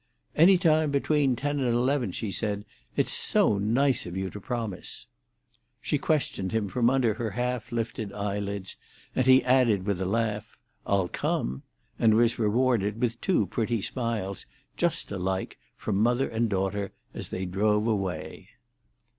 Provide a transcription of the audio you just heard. "Any time between nine and eleven," she said. "It's so nice of you to promise!" She questioned him from under her half lifted eyelids, and he added, with a laugh, "I'll come!" and was rewarded with two pretty smiles, just alike, from mother and daughter, as they drove away.